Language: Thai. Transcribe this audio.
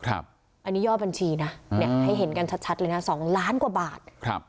อันนี้ยอดบัญชีนะให้เห็นกันชัดเลยนะ๒ล้านกว่าบาท